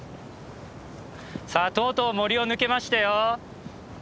さあとうとう森を抜けましたよ。